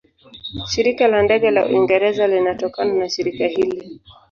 Shirika la Ndege la Uingereza linatokana na shirika hili.